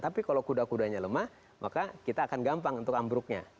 tapi kalau kuda kudanya lemah maka kita akan gampang untuk ambruknya